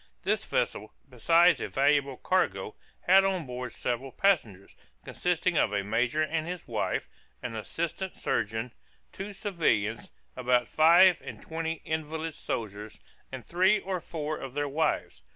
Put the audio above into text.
This vessel, besides a valuable cargo, had on board several passengers, consisting of a major and his wife, an assistant surgeon, two civilians, about five and twenty invalid soldiers, and three or four of their wives.